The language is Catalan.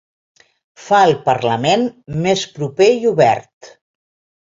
Fa el parlament més proper i obert.